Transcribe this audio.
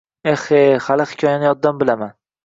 Eh-he, hali hikoyani yoddan bilaman